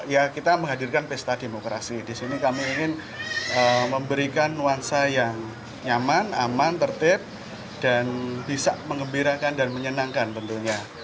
ya kita menghadirkan pesta demokrasi di sini kami ingin memberikan nuansa yang nyaman aman tertib dan bisa mengembirakan dan menyenangkan tentunya